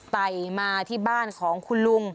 ไต่มาที่บ้านของคุณลุง